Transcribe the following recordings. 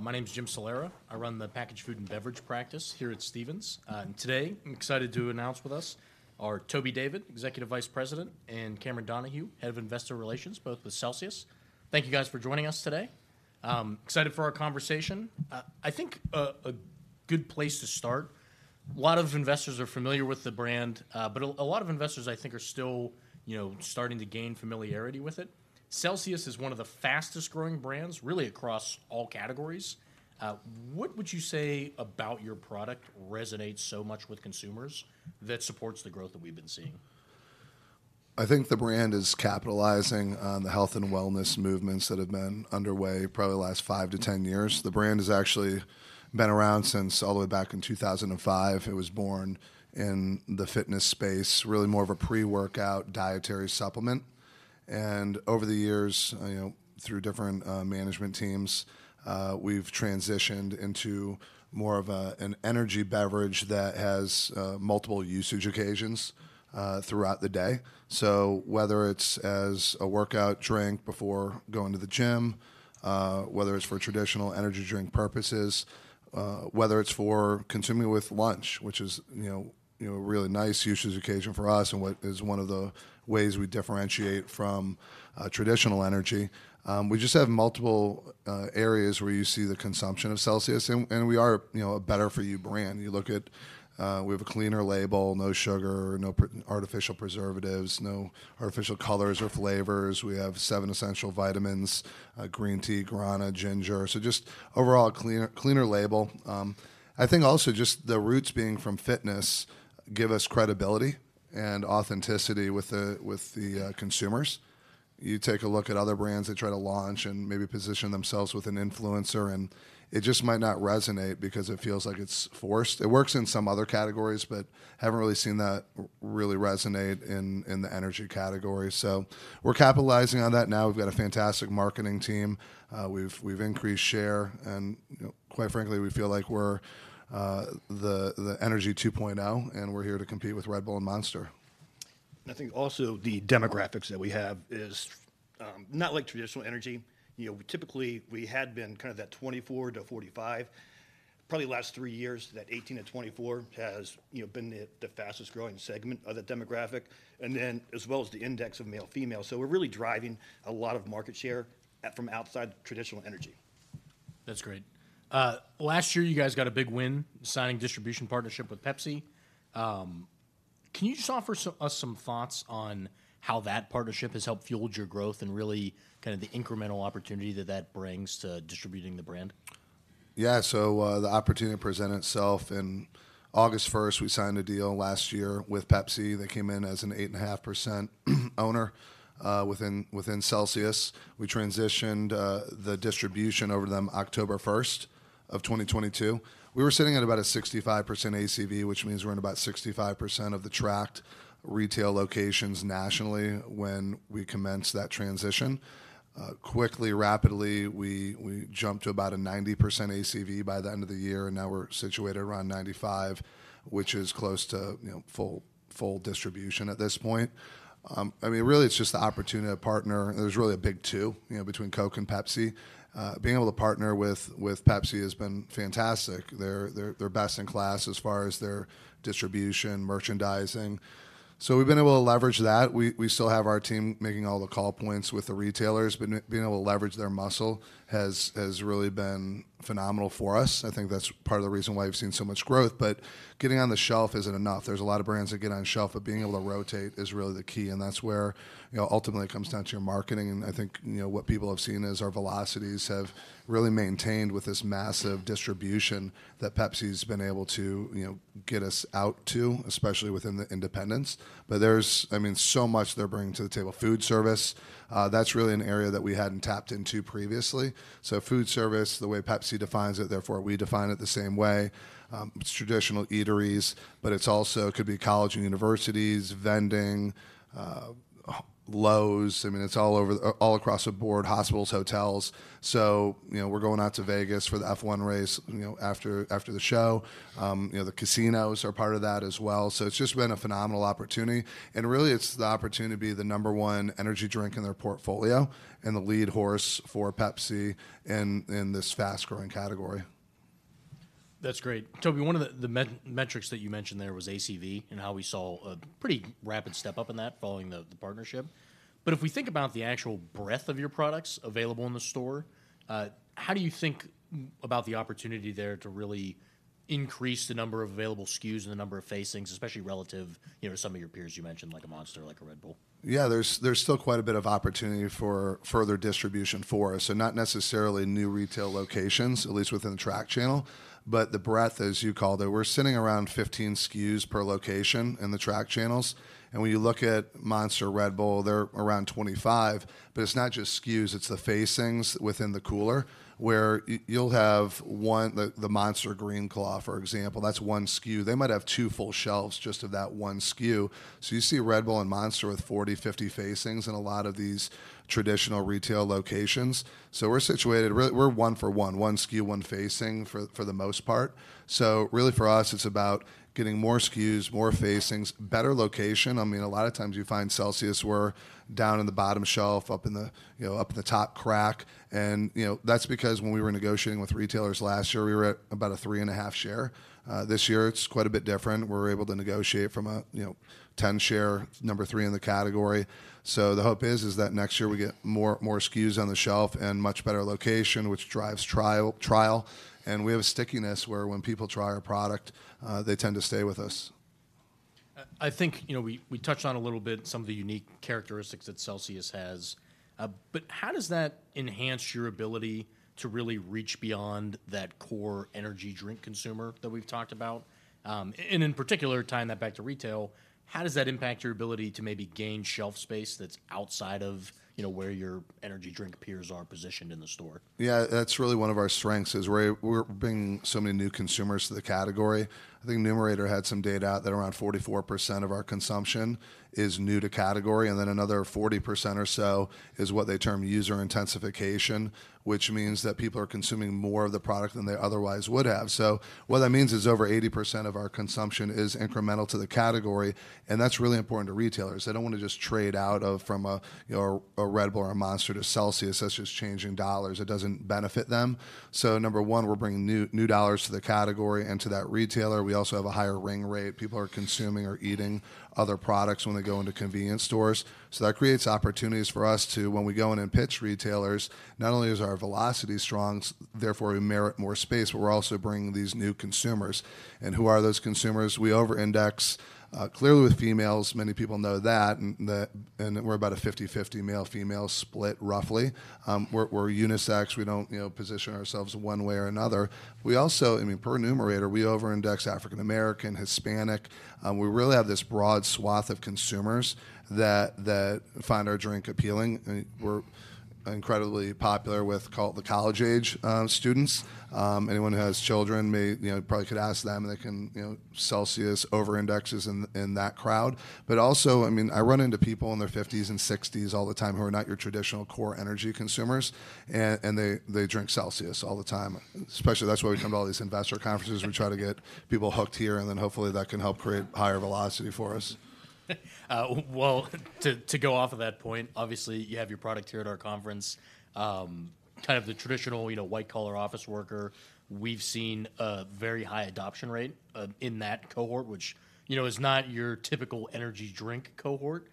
My name's Jim Salera. I run the packaged food and beverage practice here at Stephens. And today, I'm excited to announce with us are Toby David, Executive Vice President, and Cameron Donahue, Head of Investor Relations, both with Celsius. Thank you, guys, for joining us today. Excited for our conversation. I think a good place to start, a lot of investors are familiar with the brand, but a lot of investors, I think, are still, you know, starting to gain familiarity with it. Celsius is one of the fastest-growing brands, really across all categories. What would you say about your product resonates so much with consumers that supports the growth that we've been seeing? I think the brand is capitalizing on the health and wellness movements that have been underway probably the last five to 10 years. The brand has actually been around since all the way back in 2005. It was born in the fitness space, really more of a pre-workout dietary supplement. And over the years, you know, through different management teams, we've transitioned into more of an energy beverage that has multiple usage occasions throughout the day. So whether it's as a workout drink before going to the gym, whether it's for traditional energy drink purposes, whether it's for consuming with lunch, which is, you know, a really nice usage occasion for us and is one of the ways we differentiate from traditional energy. We just have multiple areas where you see the consumption of Celsius, and we are, you know, a better-for-you brand. You look at, we have a cleaner label, no sugar, no artificial preservatives, no artificial colors or flavors. We have seven essential vitamins, green tea, guarana, ginger, so just overall a cleaner label. I think also just the roots being from fitness give us credibility and authenticity with the consumers. You take a look at other brands that try to launch and maybe position themselves with an influencer, and it just might not resonate because it feels like it's forced. It works in some other categories, but haven't really seen that really resonate in the energy category. So we're capitalizing on that now. We've got a fantastic marketing team. We've increased share, and, you know, quite frankly, we feel like we're the energy 2.0, and we're here to compete with Red Bull and Monster. And I think also the demographics that we have is not like traditional energy. You know, typically, we had been kind of that 24-45. Probably the last three years, that 18-24 has, you know, been the fastest-growing segment of the demographic, and then as well as the index of male/female. So we're really driving a lot of market share from outside traditional energy. That's great. Last year, you guys got a big win, signing distribution partnership with Pepsi. Can you just offer us some thoughts on how that partnership has helped fueled your growth and really kind of the incremental opportunity that that brings to distributing the brand? Yeah. So, the opportunity presented itself in August 1st. We signed a deal last year with Pepsi. They came in as an 8.5% owner, within Celsius. We transitioned the distribution over to them October 1st of 2022. We were sitting at about a 65% ACV, which means we're in about 65% of the tracked retail locations nationally when we commenced that transition. Quickly, rapidly, we jumped to about a 90% ACV by the end of the year, and now we're situated around 95%, which is close to, you know, full, full distribution at this point. I mean, really, it's just the opportunity to partner. There's really a big two, you know, between Coke and Pepsi. Being able to partner with Pepsi has been fantastic. They're best-in-class as far as their distribution, merchandising. So we've been able to leverage that. We, we still have our team making all the call points with the retailers, but being able to leverage their muscle has, has really been phenomenal for us. I think that's part of the reason why we've seen so much growth. But getting on the shelf isn't enough. There's a lot of brands that get on shelf, but being able to rotate is really the key, and that's where, you know, ultimately it comes down to your marketing. And I think, you know, what people have seen is our velocities have really maintained with this massive distribution that Pepsi's been able to, you know, get us out to, especially within the independents. But there's, I mean, so much they're bringing to the table. Food Service, that's really an area that we hadn't tapped into previously. So food service, the way Pepsi defines it, therefore, we define it the same way. It's traditional eateries, but it's also could be college and universities, vending, Lowe's. I mean, it's all over, all across the board, hospitals, hotels. So, you know, we're going out to Vegas for the F1 race, you know, after, after the show. You know, the casinos are part of that as well. So it's just been a phenomenal opportunity, and really, it's the opportunity to be the number one energy drink in their portfolio and the lead horse for Pepsi in, in this fast-growing category. That's great. Toby, one of the metrics that you mentioned there was ACV and how we saw a pretty rapid step up in that following the partnership. But if we think about the actual breadth of your products available in the store, how do you think about the opportunity there to really increase the number of available SKUs and the number of facings, especially relative, you know, to some of your peers you mentioned, like a Monster, like a Red Bull? Yeah, there's still quite a bit of opportunity for further distribution for us, and not necessarily new retail locations, at least within the track channel, but the breadth, as you call it. We're sitting around 15 SKUs per location in the track channels, and when you look at Monster, Red Bull, they're around 25. But it's not just SKUs, it's the facings within the cooler, where you'll have one... The Monster green can, for example, that's one SKU. They might have two full shelves just of that one SKU. So you see Red Bull and Monster with 40, 50 facings in a lot of these traditional retail locations. So we're situated really, we're one for one, one SKU, one facing, for the most part. So really, for us, it's about getting more SKUs, more facings, better location. I mean, a lot of times you find Celsius, we're down in the bottom shelf, up in the, you know, up at the top rack, and, you know, that's because when we were negotiating with retailers last year, we were at about a 3.5 share. This year, it's quite a bit different. We're able to negotiate from a, you know, 10 share, number 3 in the category. So the hope is, is that next year we get more, more SKUs on the shelf and much better location, which drives trial, trial. And we have a stickiness, where when people try our product, they tend to stay with us.... I think, you know, we touched on a little bit some of the unique characteristics that Celsius has. But how does that enhance your ability to really reach beyond that core energy drink consumer that we've talked about? And in particular, tying that back to retail, how does that impact your ability to maybe gain shelf space that's outside of, you know, where your energy drink peers are positioned in the store? Yeah, that's really one of our strengths, is we're bringing so many new consumers to the category. I think Numerator had some data out that around 44% of our consumption is new to category, and then another 40% or so is what they term user intensification, which means that people are consuming more of the product than they otherwise would have. So what that means is over 80% of our consumption is incremental to the category, and that's really important to retailers. They don't want to just trade out of from a, you know, a Red Bull or a Monster to Celsius. That's just changing dollars. It doesn't benefit them. So number one, we're bringing new, new dollars to the category and to that retailer. We also have a higher ring rate. People are consuming or eating other products when they go into convenience stores. So that creates opportunities for us to, when we go in and pitch retailers, not only is our velocity strong, therefore we merit more space, but we're also bringing these new consumers. And who are those consumers? We over-index clearly with females. Many people know that, and that. And we're about a 50/50 male-female split, roughly. We're unisex. We don't, you know, position ourselves one way or another. We also, I mean, per Numerator, we over-index African American, Hispanic, we really have this broad swath of consumers that find our drink appealing, and we're incredibly popular with the college-age students. Anyone who has children may, you know, probably could ask them, and they can, you know. Celsius over-indexes in that crowd. But also, I mean, I run into people in their fifties and sixties all the time who are not your traditional core energy consumers, and they drink Celsius all the time. Especially, that's why we come to all these investor conferences. We try to get people hooked here, and then hopefully that can help create higher velocity for us. Well, to go off of that point, obviously, you have your product here at our conference. Kind of the traditional, you know, white-collar office worker, we've seen a very high adoption rate in that cohort, which, you know, is not your typical energy drink cohort.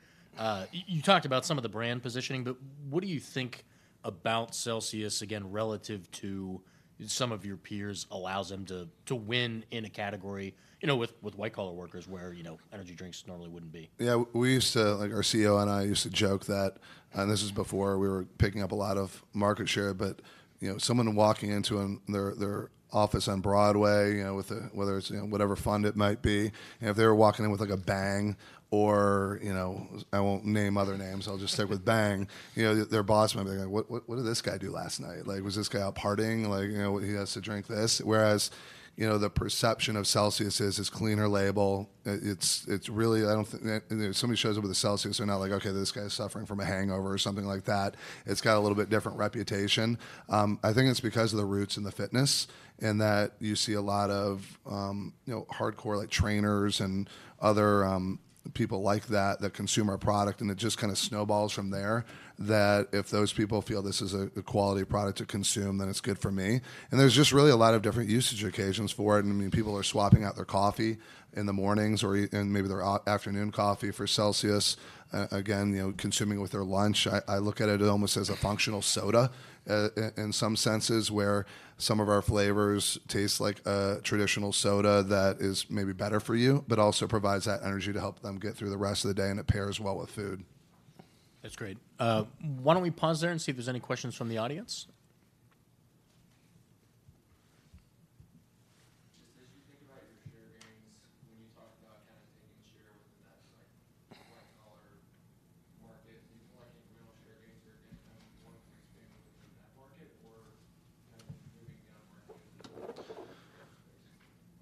You talked about some of the brand positioning, but what do you think about Celsius, again, relative to some of your peers, allows them to win in a category, you know, with white-collar workers, where, you know, energy drinks normally wouldn't be? Yeah, we used to, like our CEO and I used to joke that, and this is before we were picking up a lot of market share, but, you know, someone walking into their office on Broadway, you know, with a, whether it's, you know, whatever fund it might be, and if they were walking in with, like, a Bang or, you know... I won't name other names. I'll just stick with Bang. You know, their boss might be like, "What, what, what did this guy do last night? Like, was this guy out partying? Like, you know, he has to drink this?" Whereas, you know, the perception of Celsius is cleaner label. It's really, if somebody shows up with a Celsius, they're not like, "Okay, this guy's suffering from a hangover," or something like that. It's got a little bit different reputation. I think it's because of the roots in the fitness, in that you see a lot of, you know, hardcore, like, trainers and other people like that, that consume our product, and it just kind of snowballs from there. That if those people feel this is a quality product to consume, then it's good for me. And there's just really a lot of different usage occasions for it. I mean, people are swapping out their coffee in the mornings, or and maybe their afternoon coffee for Celsius, again, you know, consuming with their lunch. I look at it almost as a functional soda, in some senses, where some of our flavors taste like a traditional soda that is maybe better for you, but also provides that energy to help them get through the rest of the day, and it pairs well with food. That's great. Why don't we pause there and see if there's any questions from the audience?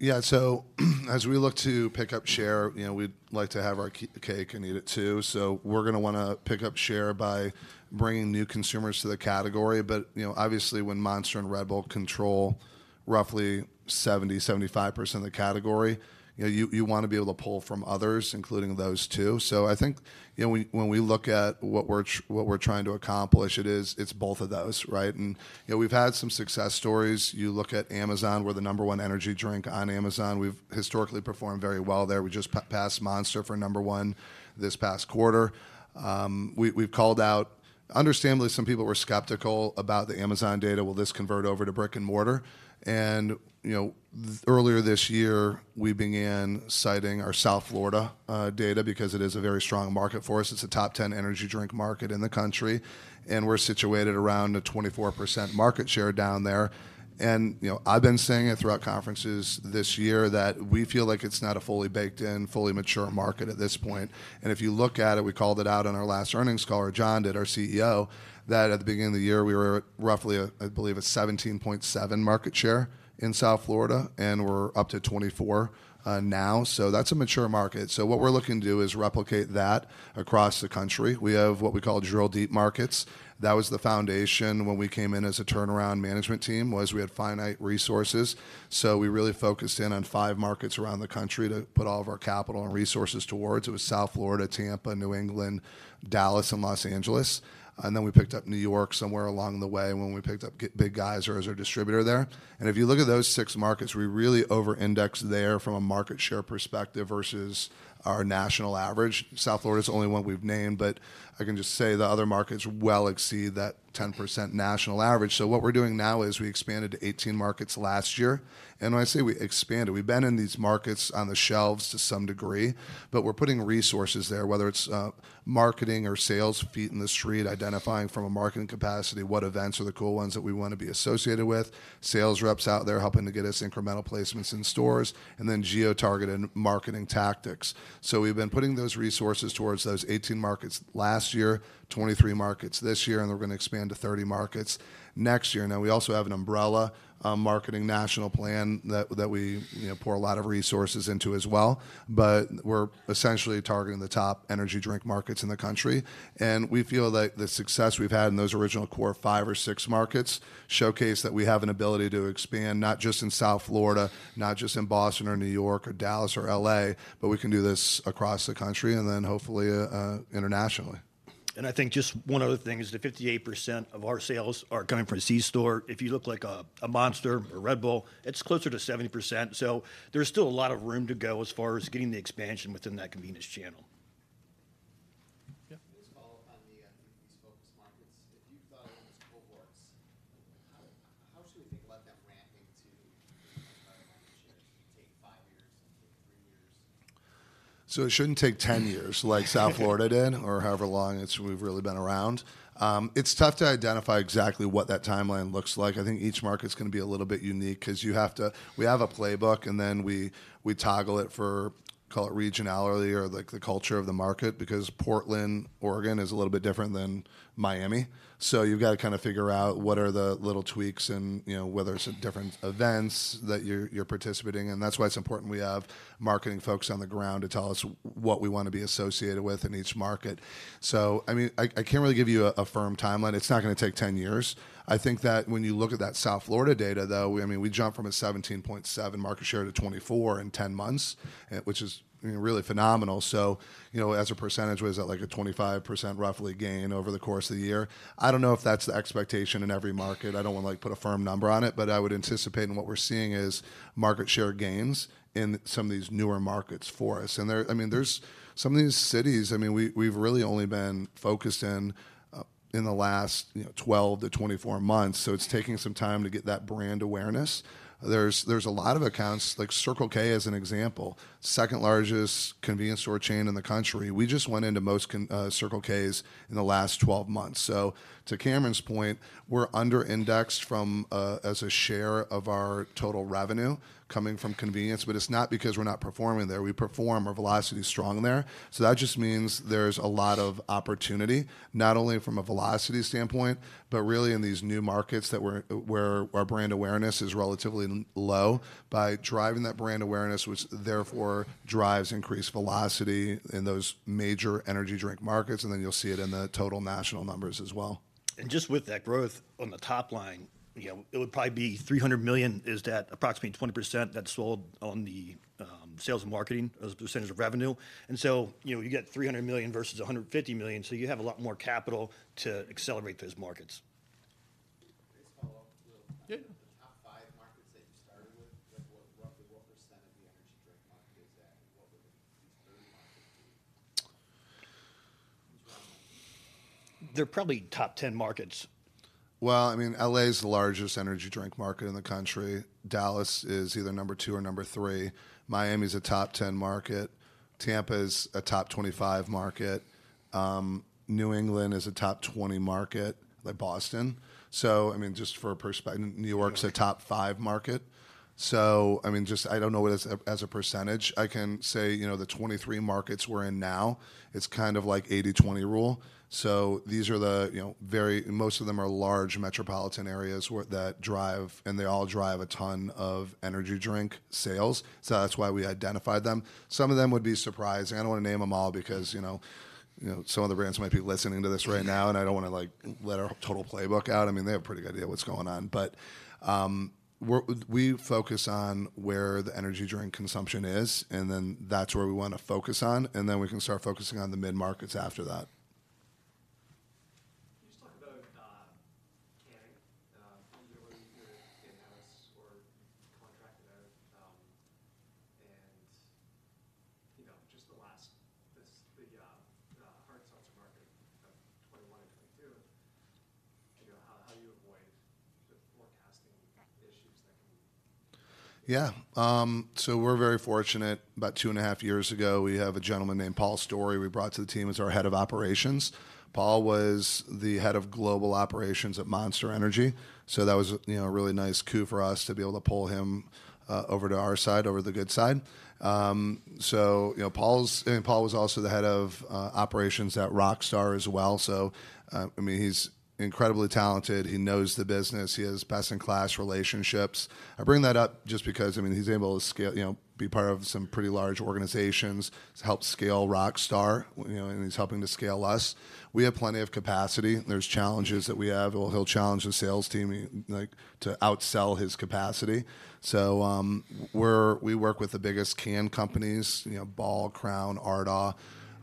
Just as you think about your share gains, when you talk about kind of taking share within that, like, white-collar market, do you feel like your real share gains are getting kind of more expanded within that market or kind of moving downmarket? Yeah, so as we look to pick up share, you know, we'd like to have our cake and eat it, too. So we're gonna wanna pick up share by bringing new consumers to the category. But, you know, obviously, when Monster and Red Bull control roughly 70%-75% of the category, you know, you want to be able to pull from others, including those two. So I think, you know, when we look at what we're trying to accomplish, it is, it's both of those, right? And, you know, we've had some success stories. You look at Amazon, we're the number one energy drink on Amazon. We've historically performed very well there. We just passed Monster for number one this past quarter. We've called out... Understandably, some people were skeptical about the Amazon data. Will this convert over to brick-and-mortar?" And, you know, earlier this year, we began citing our South Florida data because it is a very strong market for us. It's a top 10 energy drink market in the country, and we're situated around a 24% market share down there. And, you know, I've been saying it throughout conferences this year, that we feel like it's not a fully baked in, fully mature market at this point. And if you look at it, we called it out on our last earnings call, or John did, our CEO, that at the beginning of the year, we were roughly, I believe, a 17.7 market share in South Florida, and we're up to 24 now. So that's a mature market. So what we're looking to do is replicate that across the country. We have what we call drill-deep markets. That was the foundation when we came in as a turnaround management team, was we had finite resources, so we really focused in on 5 markets around the country to put all of our capital and resources towards. It was South Florida, Tampa, New England, Dallas, and Los Angeles, and then we picked up New York somewhere along the way when we picked up Big Geyser as our distributor there. And if you look at those 6 markets, we really over-index there from a market share perspective versus our national average. South Florida is the only one we've named, but I can just say the other markets well exceed that 10% national average. So what we're doing now is we expanded to 18 markets last year.... When I say we expanded, we've been in these markets on the shelves to some degree, but we're putting resources there, whether it's marketing or sales, feet in the street, identifying from a marketing capacity what events are the cool ones that we want to be associated with, sales reps out there helping to get us incremental placements in stores, and then geo-targeted marketing tactics. So we've been putting those resources towards those 18 markets last year, 23 markets this year, and we're gonna expand to 30 markets next year. Now, we also have an umbrella marketing national plan that we, you know, pour a lot of resources into as well. But we're essentially targeting the top energy drink markets in the country, and we feel that the success we've had in those original core five or six markets showcase that we have an ability to expand, not just in South Florida, not just in Boston or New York or Dallas or LA, but we can do this across the country and then hopefully, internationally. I think just one other thing is that 58% of our sales are coming from C store. If you look like a Monster or Red Bull, it's closer to 70%. There's still a lot of room to go as far as getting the expansion within that convenience channel. Yeah. Just to follow up on these focus markets. If you thought of them as cohorts, how should we think about that ramping to market share? Take five years, take three years? So it shouldn't take 10 years, like South Florida did—or however long it's... we've really been around. It's tough to identify exactly what that timeline looks like. I think each market's gonna be a little bit unique, 'cause you have to— We have a playbook, and then we toggle it for, call it regionality or, like, the culture of the market, because Portland, Oregon, is a little bit different than Miami. So you've got to kind of figure out what are the little tweaks and, you know, whether it's different events that you're participating in. That's why it's important we have marketing folks on the ground to tell us what we want to be associated with in each market. So, I mean, I can't really give you a firm timeline. It's not gonna take 10 years. I think that when you look at that South Florida data, though, I mean, we jumped from a 17.7% market share to 24% in 10 months, which is, I mean, really phenomenal. So, you know, as a percentage, what is that? Like, a 25%, roughly, gain over the course of the year. I don't know if that's the expectation in every market. I don't want to, like, put a firm number on it, but I would anticipate and what we're seeing is market share gains in some of these newer markets for us. And there, I mean, there's some of these cities, I mean, we, we've really only been focused in, in the last, you know, 12-24 months, so it's taking some time to get that brand awareness. There's a lot of accounts, like Circle K as an example, second largest convenience store chain in the country. We just went into most Circle Ks in the last 12 months. So to Cameron's point, we're under indexed from as a share of our total revenue coming from convenience, but it's not because we're not performing there. We perform. Our velocity is strong there. So that just means there's a lot of opportunity, not only from a velocity standpoint, but really in these new markets that we're where our brand awareness is relatively low. By driving that brand awareness, which therefore drives increased velocity in those major energy drink markets, and then you'll see it in the total national numbers as well. Just with that growth on the top line, you know, it would probably be $300 million. Is that approximately 20% that's sold on the sales and marketing as a percentage of revenue? So, you know, you get $300 million versus $150 million, so you have a lot more capital to accelerate those markets. Just to follow up. Yeah. The top five markets that you started with, like, what, roughly what % of the energy drink market is that, and what would the 30 markets be? They're probably top 10 markets. Well, I mean, L.A. is the largest energy drink market in the country. Dallas is either number 2 or number 3. Miami is a top 10 market. Tampa is a top 25 market. New England is a top 20 market, like Boston. So, I mean, just for a perspective... New York's- New York... a top five market. So, I mean, just I don't know what as, as a percentage, I can say, you know, the 23 markets we're in now, it's kind of like 80/20 rule. So these are the, you know, very... Most of them are large metropolitan areas where, that drive, and they all drive a ton of energy drink sales. So that's why we identified them. Some of them would be surprising. I don't want to name them all because, you know, you know, some of the brands might be listening to this right now, and I don't want to, like, let our total playbook out. I mean, they have a pretty good idea what's going on. But, we're, we focus on where the energy drink consumption is, and then that's where we want to focus on, and then we can start focusing on the mid-markets after that. Can you just talk about canning? Usually you either have in-house or contract it out. You know, just the hard seltzer market of 2021 and 2022, you know, how do you avoid the forecasting issues that can be? Yeah. So we're very fortunate. About two and a half years ago, we have a gentleman named Paul Storey we brought to the team as our head of operations. Paul was the head of global operations at Monster Energy, so that was, you know, a really nice coup for us to be able to pull him over to our side, over to the good side. So you know, Paul's... I mean, Paul was also the head of operations at Rockstar as well. So, I mean, he's incredibly talented. He knows the business. He has best-in-class relationships. I bring that up just because, I mean, he's able to scale, you know, be part of some pretty large organizations, helped scale Rockstar, you know, and he's helping to scale us. We have plenty of capacity. There's challenges that we have. Well, he'll challenge the sales team, like, to outsell his capacity. So, we work with the biggest can companies, you know, Ball, Crown,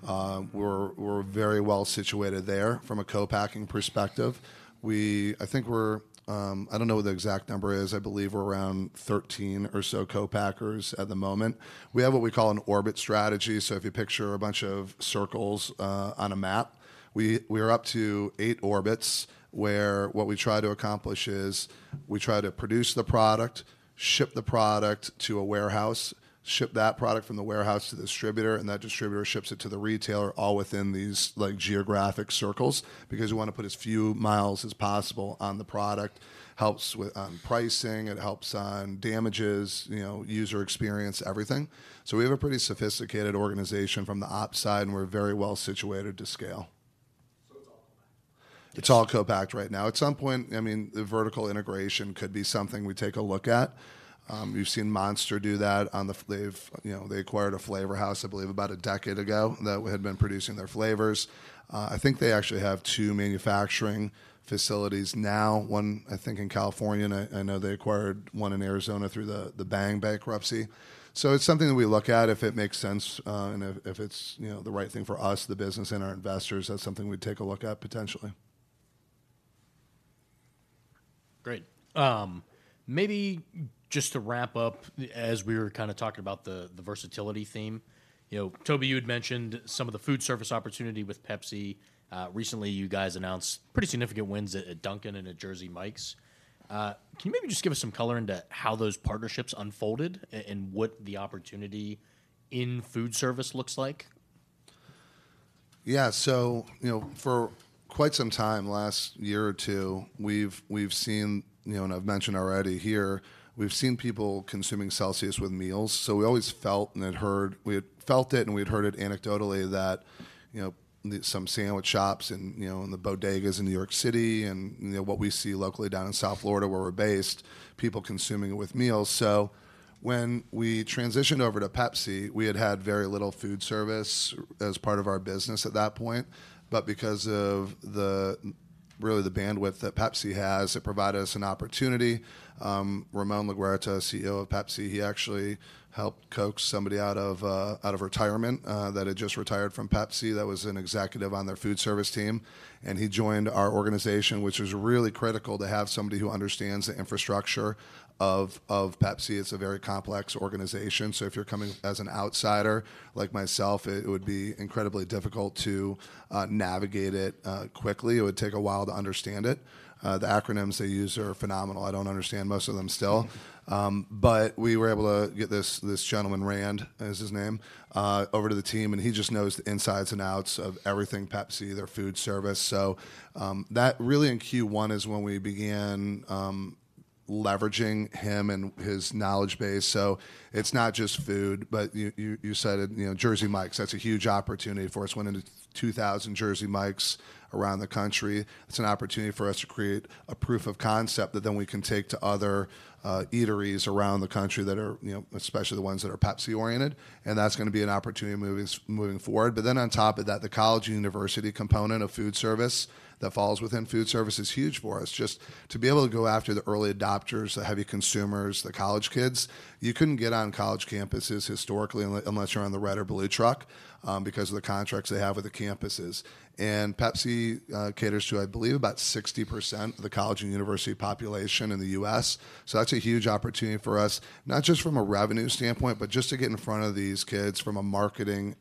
Ardagh. We're very well situated there from a co-packing perspective. I think we're, I don't know what the exact number is. I believe we're around 13 or so co-packers at the moment. We have what we call an Orbit Strategy. So if you picture a bunch of circles on a map, we're up to 8 orbits, where what we try to accomplish is we try to produce the product, ship the product to a warehouse, ship that product from the warehouse to the distributor, and that distributor ships it to the retailer, all within these, like, geographic circles, because we want to put as few miles as possible on the product. Helps with on pricing, it helps on damages, you know, user experience, everything. So we have a pretty sophisticated organization from the ops side, and we're very well situated to scale... It's all co-packed right now. At some point, I mean, the vertical integration could be something we take a look at. You've seen Monster do that, they've, you know, they acquired a flavor house, I believe, about a decade ago, that had been producing their flavors. I think they actually have two manufacturing facilities now, one, I think, in California, and I know they acquired one in Arizona through the Bang bankruptcy. So it's something that we look at if it makes sense, and if it's, you know, the right thing for us, the business, and our investors, that's something we'd take a look at potentially. Great. Maybe just to wrap up, as we were kind of talking about the versatility theme, you know, Toby, you had mentioned some of the Food Service opportunity with Pepsi. Recently, you guys announced pretty significant wins at Dunkin' and at Jersey Mike's. Can you maybe just give us some color into how those partnerships unfolded and what the opportunity in Food Service looks like? Yeah, so, you know, for quite some time last year or two, we've seen, you know, and I've mentioned already here, we've seen people consuming Celsius with meals. So we always felt and had heard... We had felt it, and we had heard it anecdotally that, you know, some sandwich shops and, you know, in the bodegas in New York City, and, you know, what we see locally down in South Florida, where we're based, people consuming it with meals. So when we transitioned over to Pepsi, we had had very little food service as part of our business at that point. But because of really, the bandwidth that Pepsi has, it provided us an opportunity. Ramon Laguarta, CEO of Pepsi, he actually helped coax somebody out of retirement that had just retired from Pepsi, that was an executive on their food service team, and he joined our organization, which was really critical to have somebody who understands the infrastructure of Pepsi. It's a very complex organization, so if you're coming as an outsider, like myself, it would be incredibly difficult to navigate it quickly. It would take a while to understand it. The acronyms they use are phenomenal. I don't understand most of them still. But we were able to get this gentleman, Rand is his name, over to the team, and he just knows the insides and outs of everything Pepsi, their food service. So that really in Q1 is when we began leveraging him and his knowledge base. So it's not just food, but you said it, you know, Jersey Mike's, that's a huge opportunity for us. Went into 2000 Jersey Mike's around the country. It's an opportunity for us to create a proof of concept that then we can take to other eateries around the country that are, you know, especially the ones that are Pepsi-oriented, and that's gonna be an opportunity moving forward. But then, on top of that, the college and university component of food service, that falls within food service is huge for us. Just to be able to go after the early adopters, the heavy consumers, the college kids. You couldn't get on college campuses historically, unless you're on the red or blue truck, because of the contracts they have with the campuses. Pepsi caters to, I believe, about 60% of the college and university population in the U.S. So that's a huge opportunity for us, not just from a revenue standpoint, but just to get in front of these kids from a marketing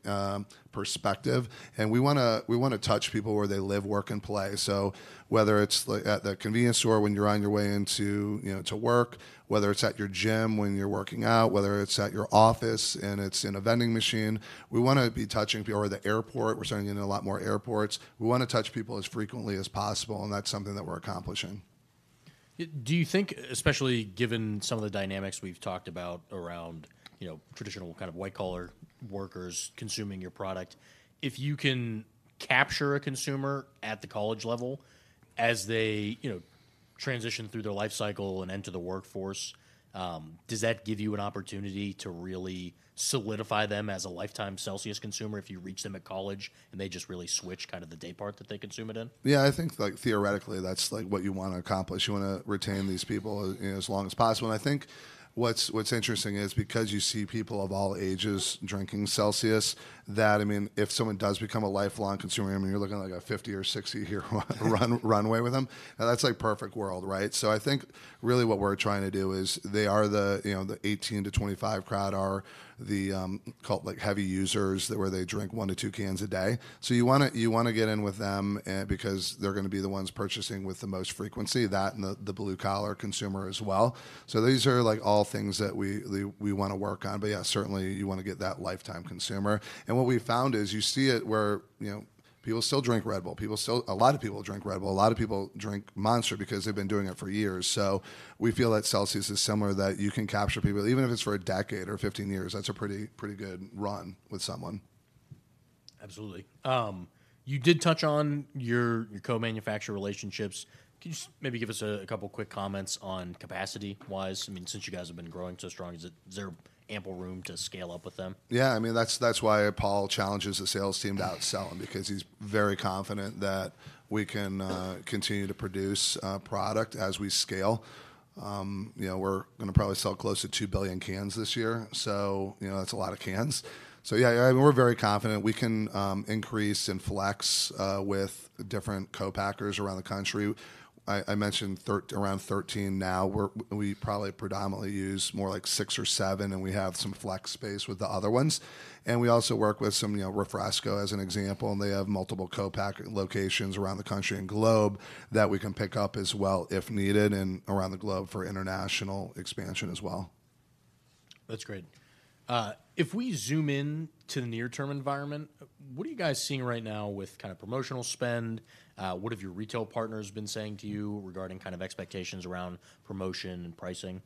perspective. And we wanna, we wanna touch people where they live, work, and play. So whether it's like at the convenience store when you're on your way into, you know, to work, whether it's at your gym when you're working out, whether it's at your office and it's in a vending machine, we wanna be touching people. Or the airport, we're starting to get in a lot more airports. We wanna touch people as frequently as possible, and that's something that we're accomplishing. Do you think, especially given some of the dynamics we've talked about around, you know, traditional kind of white-collar workers consuming your product, if you can capture a consumer at the college level as they, you know, transition through their life cycle and enter the workforce, does that give you an opportunity to really solidify them as a lifetime Celsius consumer, if you reach them at college and they just really switch kind of the daypart that they consume it in? Yeah, I think, like, theoretically, that's like what you want to accomplish. You wanna retain these people as, you know, as long as possible. And I think what's, what's interesting is, because you see people of all ages drinking Celsius, that, I mean, if someone does become a lifelong consumer, I mean, you're looking at, like, a 50- or 60-year run runway with them, and that's like perfect world, right? So I think really what we're trying to do is, they are the... You know, the 18-25 crowd are the, call, like, heavy users, where they drink 1-2 cans a day. So you wanna, you wanna get in with them, because they're gonna be the ones purchasing with the most frequency, that and the, the blue-collar consumer as well. So these are, like, all things that we, the, we wanna work on. But yeah, certainly, you wanna get that lifetime consumer. And what we've found is, you see it where, you know, people still drink Red Bull. People still... A lot of people drink Red Bull. A lot of people drink Monster because they've been doing it for years. So we feel that Celsius is similar, that you can capture people, even if it's for a decade or 15 years, that's a pretty, pretty good run with someone. Absolutely. You did touch on your, your co-manufacturer relationships. Can you just maybe give us a couple quick comments on capacity-wise? I mean, since you guys have been growing so strong, is there ample room to scale up with them? Yeah, I mean, that's, that's why Paul challenges the sales team to outsell them, because he's very confident that we can continue to produce product as we scale. You know, we're gonna probably sell close to 2 billion cans this year, so, you know, that's a lot of cans. So yeah, yeah, we're very confident we can increase and flex with different co-packers around the country. I mentioned around 13 now, we probably predominantly use more like 6 or 7, and we have some flex space with the other ones. And we also work with some, you know, Refresco, as an example, and they have multiple co-packer locations around the country and globe that we can pick up as well, if needed, and around the globe for international expansion as well. That's great. If we zoom in to the near-term environment, what are you guys seeing right now with kind of promotional spend? What have your retail partners been saying to you regarding kind of expectations around promotion and pricing?...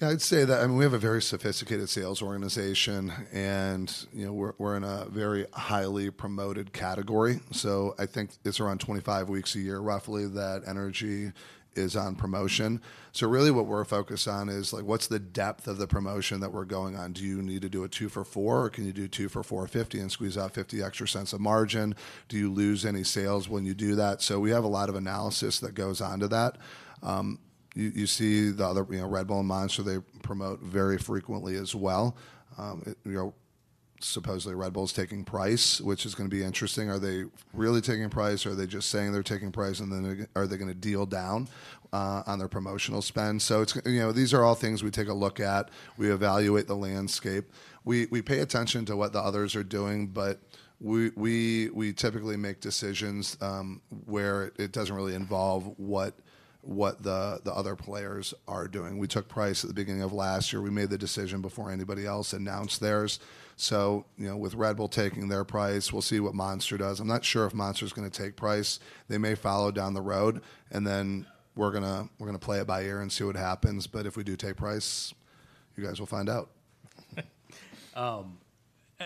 Yeah, I'd say that, I mean, we have a very sophisticated sales organization, and, you know, we're in a very highly promoted category. So I think it's around 25 weeks a year, roughly, that energy is on promotion. So really, what we're focused on is, like, what's the depth of the promotion that we're going on? Do you need to do a two for $4, or can you do two for $4.50 and squeeze out $0.50 extra cents a margin? Do you lose any sales when you do that? So we have a lot of analysis that goes on to that. You see the other, you know, Red Bull and Monster, they promote very frequently as well. You know, supposedly, Red Bull's taking price, which is gonna be interesting. Are they really taking price, or are they just saying they're taking price, and then are they gonna deal down on their promotional spend? So it's, you know, these are all things we take a look at. We evaluate the landscape. We pay attention to what the others are doing, but we typically make decisions where it doesn't really involve what the other players are doing. We took price at the beginning of last year. We made the decision before anybody else announced theirs. So, you know, with Red Bull taking their price, we'll see what Monster does. I'm not sure if Monster is gonna take price. They may follow down the road, and then we're gonna play it by ear and see what happens. But if we do take price, you guys will find out.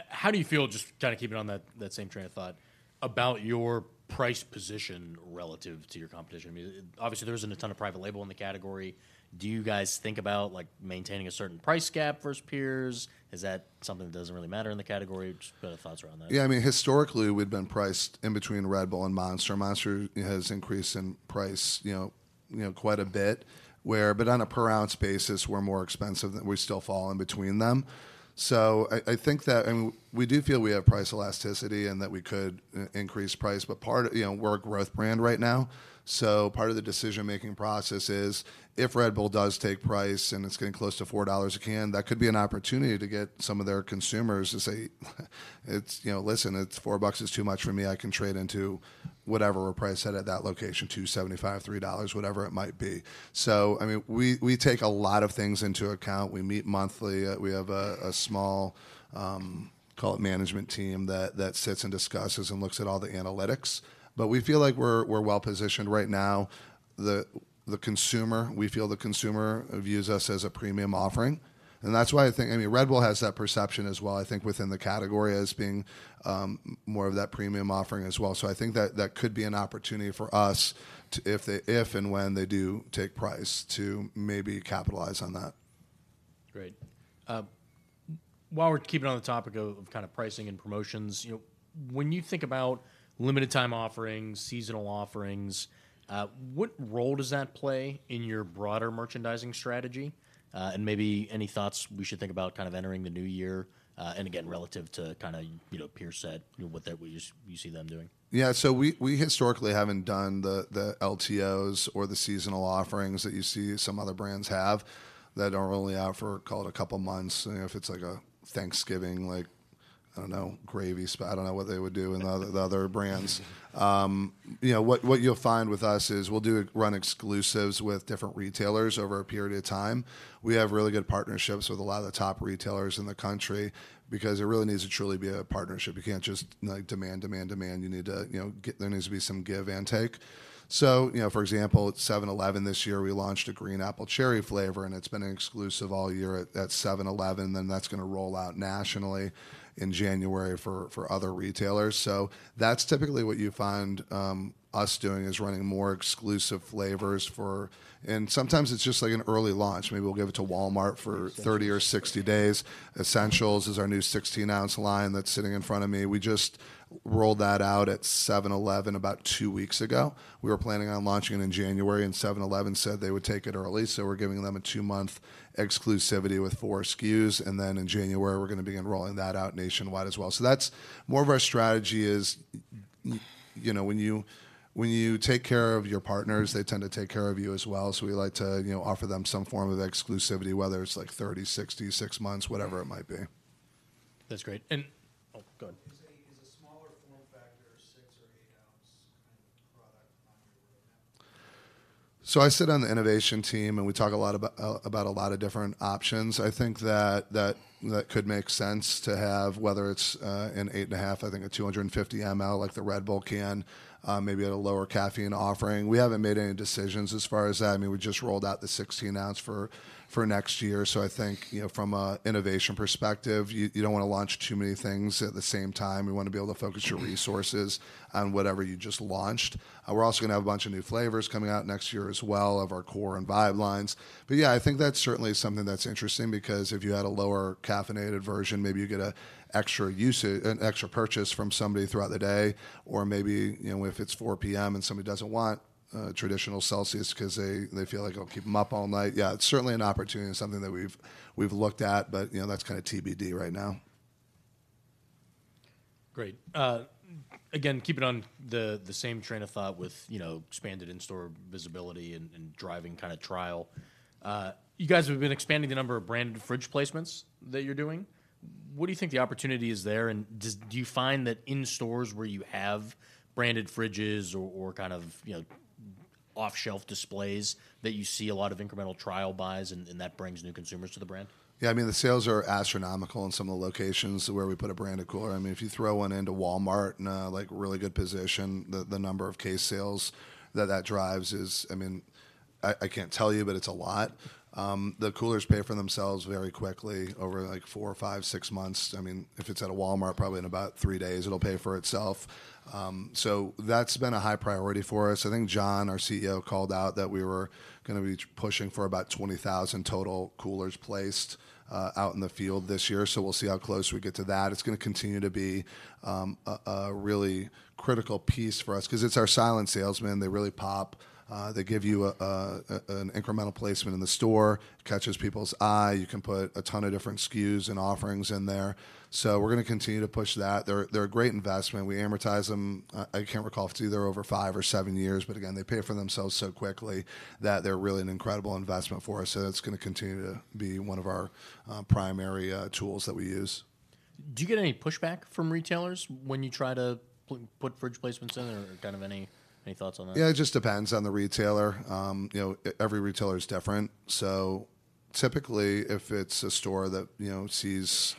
How do you feel, just trying to keep it on that same train of thought, about your price position relative to your competition? I mean, obviously, there isn't a ton of private label in the category. Do you guys think about, like, maintaining a certain price gap versus peers? Is that something that doesn't really matter in the category? Just the thoughts around that. Yeah, I mean, historically, we've been priced in between Red Bull and Monster. Monster has increased in price, you know, you know, quite a bit, where—but on a per ounce basis, we're more expensive, and we still fall in between them. So I, I think that—and we do feel we have price elasticity and that we could increase price, but part of... You know, we're a growth brand right now. So part of the decision-making process is, if Red Bull does take price, and it's getting close to $4 a can, that could be an opportunity to get some of their consumers to say, "It's—you know, listen, it's $4 is too much for me. I can trade into whatever we're priced at, at that location, $2.75, $3," whatever it might be. So, I mean, we, we take a lot of things into account. We meet monthly. We have a small, call it management team, that sits and discusses and looks at all the analytics, but we feel like we're well positioned right now. The consumer, we feel the consumer views us as a premium offering, and that's why I think... I mean, Red Bull has that perception as well, I think, within the category as being more of that premium offering as well. So I think that that could be an opportunity for us to, if and when they do take price, to maybe capitalize on that. Great. While we're keeping on the topic of kind of pricing and promotions, you know, when you think about limited time offerings, seasonal offerings, what role does that play in your broader merchandising strategy? And maybe any thoughts we should think about kind of entering the new year, and again, relative to kind of, you know, peer set, you know, what you see them doing. Yeah. So we historically haven't done the LTOs or the seasonal offerings that you see some other brands have, that are only out for, call it, a couple months. If it's like a Thanksgiving, like, I don't know, gravy soda, I don't know what they would do in the other brands. You know, what you'll find with us is, we'll do run exclusives with different retailers over a period of time. We have really good partnerships with a lot of the top retailers in the country because it really needs to truly be a partnership. You can't just like demand, demand, demand. You need to, you know, there needs to be some give and take. So, you know, for example, at 7-Eleven this year, we launched a green apple cherry flavor, and it's been an exclusive all year at 7-Eleven. Then that's gonna roll out nationally in January for other retailers. So that's typically what you find us doing, is running more exclusive flavors for... And sometimes it's just like an early launch. Maybe we'll give it to Walmart for-... 30 or 60 days. Essentials is our new 16-ounce line that's sitting in front of me. We just rolled that out at 7-Eleven about two weeks ago. We were planning on launching it in January, and 7-Eleven said they would take it early, so we're giving them a two month exclusivity with four SKUs, and then in January, we're gonna begin rolling that out nationwide as well. So that's more of our strategy is, you know, when you, when you take care of your partners, they tend to take care of you as well. So we like to, you know, offer them some form of exclusivity, whether it's like 30, 60, six months, whatever it might be. That's great. And... Oh, go ahead. Is a smaller form factor, 6- or 8-ounce kind of product on your roadmap? So I sit on the innovation team, and we talk a lot about about a lot of different options. I think that could make sense to have, whether it's an 8.5, I think, a 250 mL, like the Red Bull can, maybe at a lower caffeine offering. We haven't made any decisions as far as that. I mean, we just rolled out the 16-ounce for next year. So I think, you know, from an innovation perspective, you don't wanna launch too many things at the same time. You wanna be able to focus your resources on whatever you just launched. We're also gonna have a bunch of new flavors coming out next year as well, of our Core and Vibe lines. But yeah, I think that's certainly something that's interesting, because if you had a lower caffeinated version, maybe you get an extra purchase from somebody throughout the day, or maybe, you know, if it's 4 P.M. and somebody doesn't want traditional Celsius 'cause they feel like it'll keep them up all night. Yeah, it's certainly an opportunity and something that we've looked at, but, you know, that's kind of TBD right now. Great. Again, keeping on the same train of thought with, you know, expanded in-store visibility and driving kind of trial. You guys have been expanding the number of branded fridge placements that you're doing. What do you think the opportunity is there, and do you find that in stores where you have branded fridges or kind of, you know, off-shelf displays, that you see a lot of incremental trial buys and that brings new consumers to the brand? Yeah, I mean, the sales are astronomical in some of the locations where we put a branded cooler. I mean, if you throw one into Walmart in a, like, really good position, the number of case sales that that drives is... I mean, I can't tell you, but it's a lot. The coolers pay for themselves very quickly, over, like, four, five, six months. I mean, if it's at a Walmart, probably in about 3 days it'll pay for itself. So that's been a high priority for us. I think John, our CEO, called out that we were gonna be pushing for about 20,000 total coolers placed out in the field this year, so we'll see how close we get to that. It's gonna continue to be a really critical piece for us, 'cause it's our silent salesman. They really pop. They give you an incremental placement in the store, catches people's eye. You can put a ton of different SKUs and offerings in there, so we're gonna continue to push that. They're a great investment. We amortize them, I can't recall if it's either over five or seven years, but again, they pay for themselves so quickly that they're really an incredible investment for us. So that's gonna continue to be one of our primary tools that we use. Do you get any pushback from retailers when you try to put fridge placements in, or kind of any thoughts on that? Yeah, it just depends on the retailer. You know, every retailer is different. So typically, if it's a store that, you know, sees.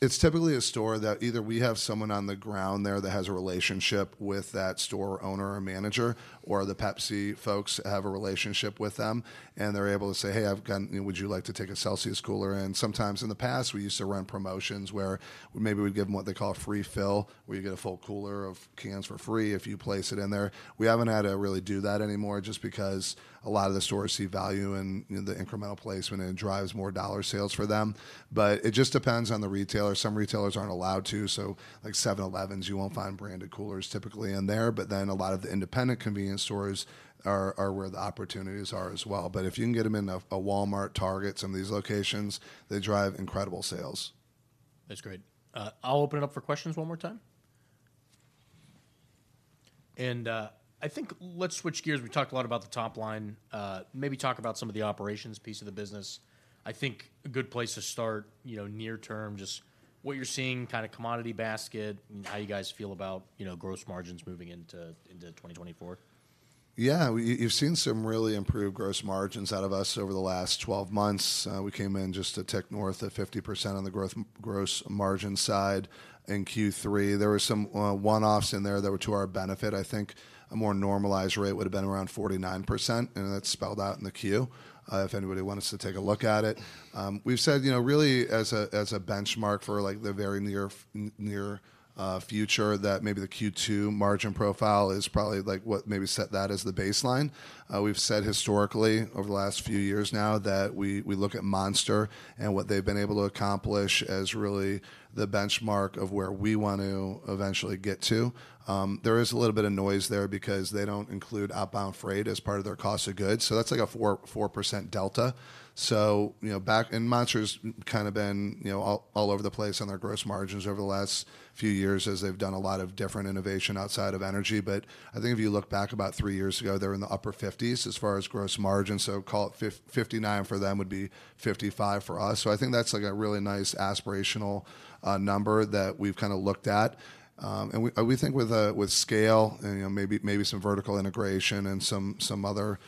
It's typically a store that either we have someone on the ground there that has a relationship with that store owner or manager, or the Pepsi folks have a relationship with them, and they're able to say, "Hey, I've got you know, would you like to take a Celsius cooler in?" Sometimes in the past, we used to run promotions where maybe we'd give them what they call a free fill, where you get a full cooler of cans for free if you place it in there. We haven't had to really do that anymore, just because a lot of the stores see value in, you know, the incremental placement, and it drives more dollar sales for them. But it just depends on the retailer. Some retailers aren't allowed to, so like 7-Eleven, you won't find branded coolers typically in there, but then a lot of the independent convenience stores are where the opportunities are as well. But if you can get them in a Walmart, Target, some of these locations, they drive incredible sales. That's great. I'll open it up for questions one more time. I think let's switch gears. We talked a lot about the top line. Maybe talk about some of the operations piece of the business. I think a good place to start, you know, near term, just what you're seeing, kind of commodity basket, and how you guys feel about, you know, gross margins moving into 2024. Yeah. We've seen some really improved gross margins out of us over the last 12 months. We came in just a tick north of 50% on the gross margin side in Q3. There were some one-offs in there that were to our benefit. I think a more normalized rate would've been around 49%, and that's spelled out in the Q if anybody wants to take a look at it. We've said, you know, really as a benchmark for, like, the very near future, that maybe the Q2 margin profile is probably, like, what to set that as the baseline. We've said historically, over the last few years now, that we look at Monster and what they've been able to accomplish as really the benchmark of where we want to eventually get to. There is a little bit of noise there because they don't include outbound freight as part of their cost of goods, so that's like a 4% delta. So, you know, back. And Monster's kind of been, you know, all over the place on their gross margins over the last few years, as they've done a lot of different innovation outside of energy. But I think if you look back about three years ago, they were in the upper 50s as far as gross margin, so call it 59 for them would be 55 for us. So I think that's, like, a really nice aspirational number that we've kind of looked at. And we think with scale and, you know, maybe some vertical integration and some other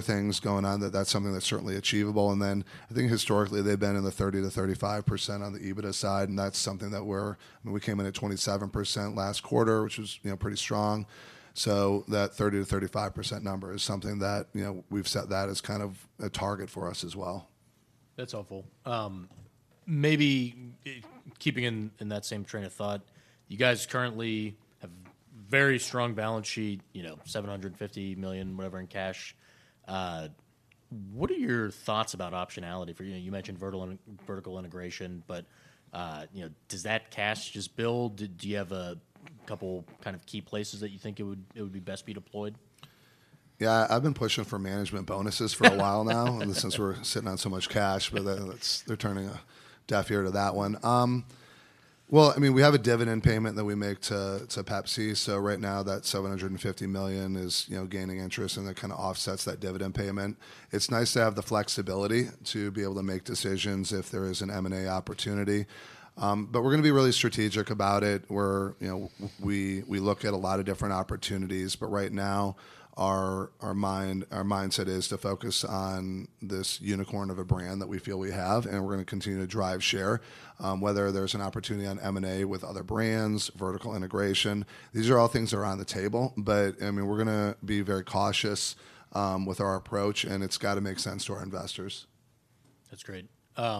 things going on, that that's something that's certainly achievable. Then I think historically, they've been in the 30%-35% on the EBITDA side, and that's something that we're. I mean, we came in at 27% last quarter, which was, you know, pretty strong. That 30%-35% number is something that, you know, we've set that as kind of a target for us as well. That's helpful. Maybe keeping in that same train of thought, you guys currently have very strong balance sheet, you know, $750 million, whatever, in cash. What are your thoughts about optionality for you? You mentioned vertical integration, but, you know, does that cash just build? Do you have a couple kind of key places that you think it would be best deployed? Yeah, I've been pushing for management bonuses for a while now, since we're sitting on so much cash, but that's... They're turning a deaf ear to that one. Well, I mean, we have a dividend payment that we make to Pepsi, so right now that $750 million is, you know, gaining interest, and that kind of offsets that dividend payment. It's nice to have the flexibility to be able to make decisions if there is an M&A opportunity. But we're gonna be really strategic about it, where, you know, we look at a lot of different opportunities, but right now our mindset is to focus on this unicorn of a brand that we feel we have, and we're gonna continue to drive share. Whether there's an opportunity on M&A with other brands, vertical integration, these are all things that are on the table. But, I mean, we're gonna be very cautious with our approach, and it's got to make sense to our investors. That's great. Just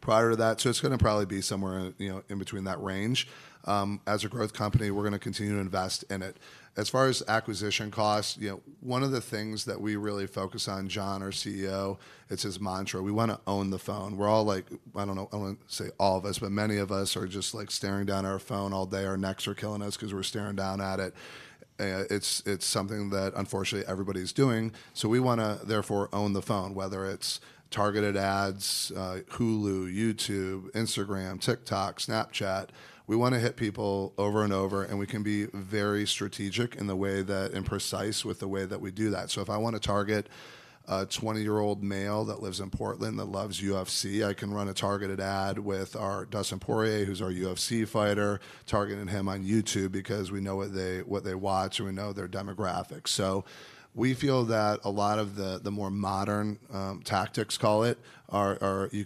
prior to that. So it's gonna probably be somewhere, you know, in between that range. As a growth company, we're gonna continue to invest in it. As far as acquisition costs, you know, one of the things that we really focus on, John, our CEO, it's his mantra: "We want to own the phone." We're all like, I don't know, I wouldn't say all of us, but many of us are just, like, staring down our phone all day. Our necks are killing us 'cause we're staring down at it. It's something that, unfortunately, everybody's doing, so we wanna therefore own the phone, whether it's targeted ads, Hulu, YouTube, Instagram, TikTok, Snapchat. We want to hit people over and over, and we can be very strategic in the way that and precise with the way that we do that. So if I want to target a 20-year-old male that lives in Portland, that loves UFC, I can run a targeted ad with our Dustin Poirier, who's our UFC fighter, targeting him on YouTube, because we know what they watch, and we know their demographics. So we feel that a lot of the more modern tactics, call it, are. You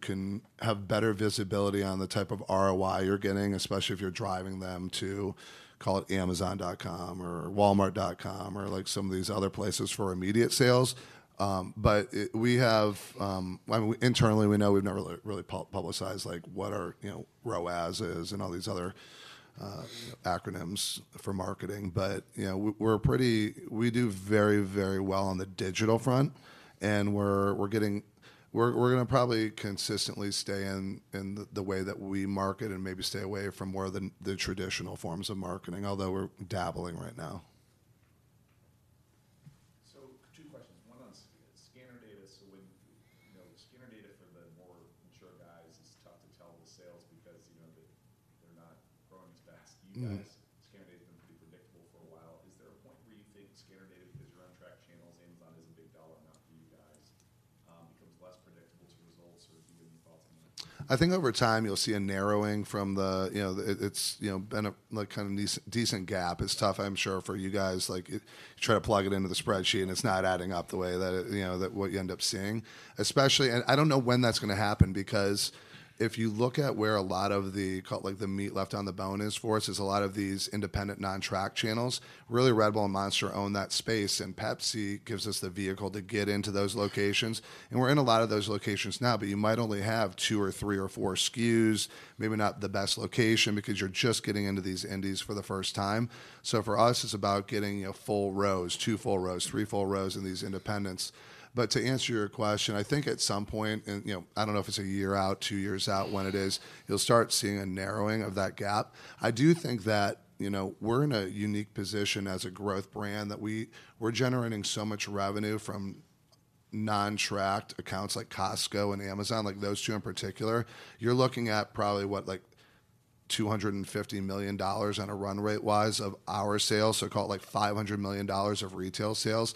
can have better visibility on the type of ROI you're getting, especially if you're driving them to, call it Amazon.com or Walmart.com, or, like, some of these other places for immediate sales. But we have. I mean, internally, we know we've never really publicized, like, what our, you know, ROAS is and all these other acronyms for marketing. But, you know, we're pretty. We do very, very well on the digital front, and we're getting. We're gonna probably consistently stay in the way that we market and maybe stay away from more of the traditional forms of marketing, although we're dabbling right now. Two questions, one on scanner data. So when, you know, scanner data for the more mature guys, it's tough to tell the sales because, you know, they, they're not growing as fast. Mm-hmm. You guys, scanner data's been pretty predictable for a while. Is there a point where you think scanner data, because you're on tracked channels, Amazon is a big dollar amount for you guys, becomes less predictable to results or if you give any thoughts on that? I think over time, you'll see a narrowing from the... You know, the, it's, you know, been a, like, kind of decent gap. It's tough, I'm sure, for you guys. Like, you try to plug it into the spreadsheet, and it's not adding up the way that it, you know, that what you end up seeing. Especially... And I don't know when that's gonna happen, because if you look at where a lot of the, call it, like, the meat left on the bone is for us, is a lot of these independent, non-tracked channels. Really, Red Bull and Monster own that space, and Pepsi gives us the vehicle to get into those locations, and we're in a lot of those locations now. But you might only have two or three or four SKUs, maybe not the best location, because you're just getting into these indies for the first time. So for us, it's about getting, you know, full rows, two full rows, three full rows in these independents. But to answer your question, I think at some point, and, you know, I don't know if it's a year out, two years out, when it is, you'll start seeing a narrowing of that gap. I do think that, you know, we're in a unique position as a growth brand, that we're generating so much revenue from non-tracked accounts like Costco and Amazon, like those two in particular. You're looking at probably, what? Like, $250 million on a run rate wise of our sales, so call it like $500 million of retail sales.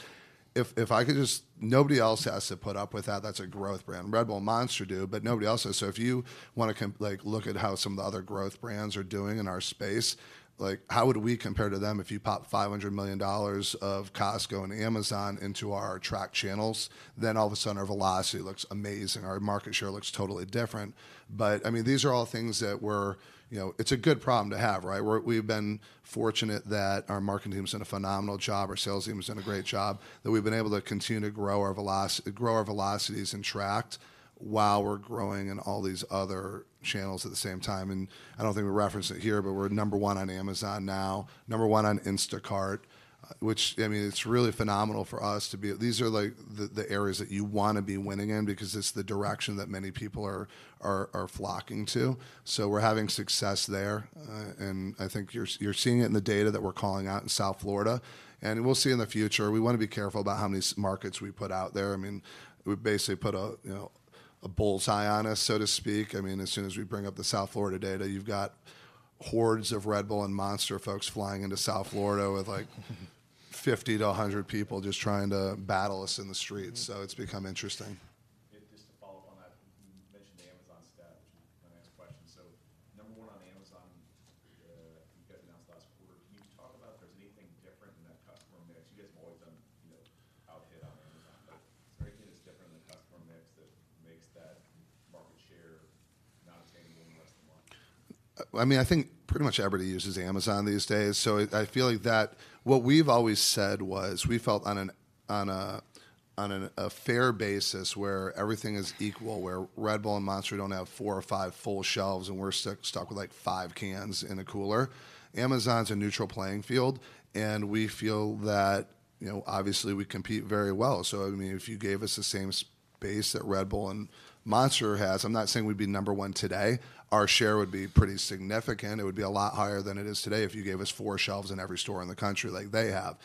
If I could just... Nobody else has to put up with that. That's a growth brand. Red Bull and Monster do, but nobody else is. So if you want to, like, look at how some of the other growth brands are doing in our space, like, how would we compare to them if you pop $500 million of Costco and Amazon into our tracked channels? Then all of a sudden, our velocity looks amazing. Our market share looks totally different. But, I mean, these are all things that we're, you know, it's a good problem to have, right? We've been fortunate that our marketing team has done a phenomenal job, our sales team has done a great job, that we've been able to continue to grow our velocities in tracked while we're growing in all these other channels at the same time. I don't think we referenced it here, but we're number one on Amazon now, number one on Instacart, which, I mean, it's really phenomenal for us to be... These are, like, the areas that you want to be winning in because it's the direction that many people are flocking to. So we're having success there, and I think you're seeing it in the data that we're calling out in South Florida, and we'll see in the future. We want to be careful about how many markets we put out there. I mean, we basically put a, you know, a bull's-eye on us, so to speak. I mean, as soon as we bring up the South Florida data, you've got hordes of Red Bull and Monster folks flying into South Florida with, like- ... 50-100 people just trying to battle us in the streets. Mm-hmm. It's become interesting. Yeah, just to follow up on that, you mentioned the Amazon stat, which I'm gonna ask a question. So number one on Amazon, you guys announced last quarter. Can you just talk about if there's anything different in that customer mix? You guys have always done, you know, outhit on Amazon, but is there anything that's different in the customer mix that makes that market share not obtainable in less than one? I mean, I think pretty much everybody uses Amazon these days, so I feel like that... What we've always said was, we felt on a fair basis, where everything is equal, where Red Bull and Monster don't have 4 or 5 full shelves, and we're stuck with, like, 5 cans in a cooler, Amazon's a neutral playing field, and we feel that, you know, obviously, we compete very well. So, I mean, if you gave us the same space that Red Bull and Monster has, I'm not saying we'd be number one today, our share would be pretty significant. It would be a lot higher than it is today if you gave us 4 shelves in every store in the country like they have.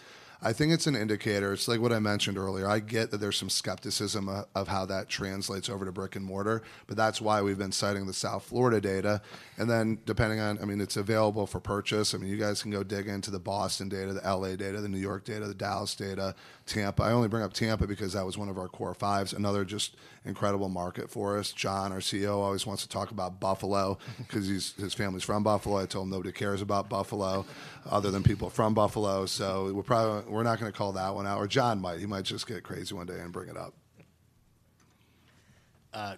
I think it's an indicator. It's like what I mentioned earlier, I get that there's some skepticism of how that translates over to brick-and-mortar, but that's why we've been citing the South Florida data. And then, depending on... I mean, it's available for purchase. I mean, you guys can go dig into the Boston data, the LA data, the New York data, the Dallas data, Tampa. I only bring up Tampa because that was one of our core fives, another just incredible market for us. John, our CEO, always wants to talk about Buffalo 'cause his family's from Buffalo. I told him nobody cares about Buffalo other than people from Buffalo, so we're probably not gonna call that one out, or John might. He might just get crazy one day and bring it up....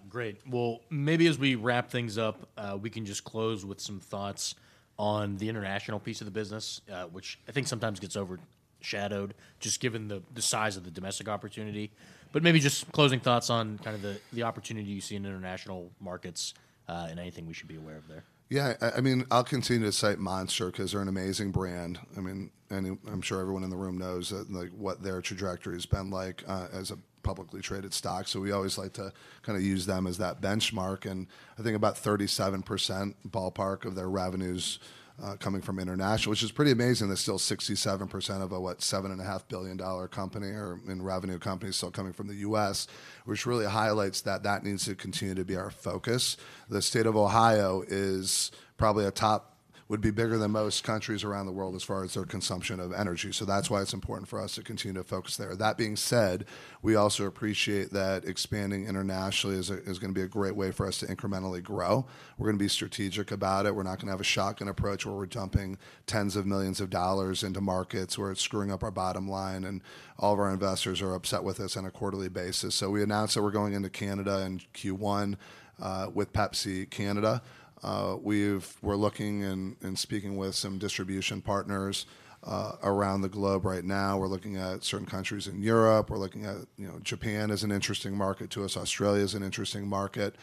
great! Well, maybe as we wrap things up, we can just close with some thoughts on the international piece of the business, which I think sometimes gets overshadowed, just given the size of the domestic opportunity. But maybe just closing thoughts on kind of the opportunity you see in international markets, and anything we should be aware of there. Yeah, I mean, I'll continue to cite Monster 'cause they're an amazing brand. I mean, and I'm sure everyone in the room knows, like, what their trajectory has been like, as a publicly traded stock. So we always like to kinda use them as that benchmark, and I think about 37%, ballpark, of their revenue's coming from international, which is pretty amazing that still 67% of a what? $7.5 billion company or in revenue company is still coming from the U.S., which really highlights that that needs to continue to be our focus. The state of Ohio is probably a top... Would be bigger than most countries around the world as far as their consumption of energy, so that's why it's important for us to continue to focus there. That being said, we also appreciate that expanding internationally is gonna be a great way for us to incrementally grow. We're gonna be strategic about it. We're not gonna have a shotgun approach, where we're dumping $10s of millions into markets, where it's screwing up our bottom line, and all of our investors are upset with us on a quarterly basis. So we announced that we're going into Canada in Q1 with Pepsi Canada. We're looking and speaking with some distribution partners around the globe right now. We're looking at certain countries in Europe. We're looking at, you know, Japan as an interesting market to us. Australia is an interesting market.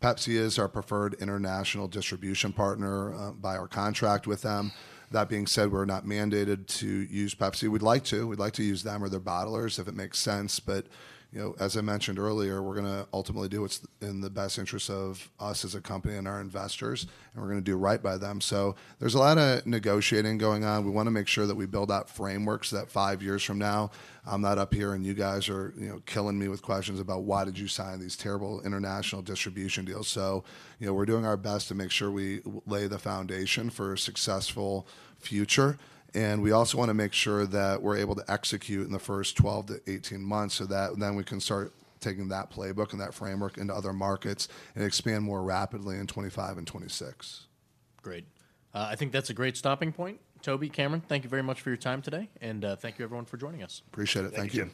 Pepsi is our preferred international distribution partner by our contract with them. That being said, we're not mandated to use Pepsi. We'd like to. We'd like to use them or their bottlers if it makes sense, but, you know, as I mentioned earlier, we're gonna ultimately do what's in the best interest of us as a company and our investors, and we're gonna do right by them. So there's a lot of negotiating going on. We wanna make sure that we build out frameworks, that five years from now, I'm not up here and you guys are, you know, killing me with questions about, "Why did you sign these terrible international distribution deals?" So, you know, we're doing our best to make sure we lay the foundation for a successful future, and we also wanna make sure that we're able to execute in the first 12-18 months, so that then we can start taking that playbook and that framework into other markets and expand more rapidly in 2025 and 2026. Great. I think that's a great stopping point. Toby, Cameron, thank you very much for your time today, and thank you everyone for joining us. Appreciate it. Thank you.